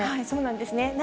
そうなんですね。